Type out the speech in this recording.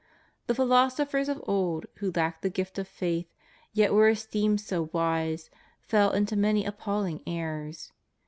The philosophers of old who lacked the gift of faith, yet were esteemed so wise, fell into many appalhng errors.